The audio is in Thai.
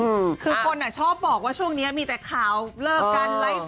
มุกคนชอบบอกว่าช่วงนี้มีแต่ข่าวเลิกกัน